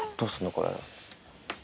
これ。